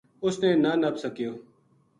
اس نے نہ نپ سکیو